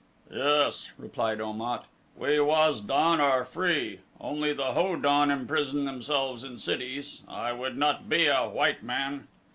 "Yes," replied Om at, "We Waz don are free only the Hodon imprison themselves in cities. I would not be a white man!"